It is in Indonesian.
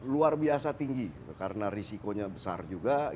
luar biasa tinggi karena risikonya besar juga